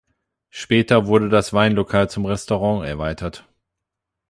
Später wurde das Weinlokal zum Restaurant erweitert.